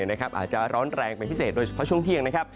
อาจจะร้อนแรงเป็นพิเศษโดยเฉพาะช่วงเที่ยงนะครับ